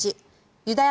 ユダヤ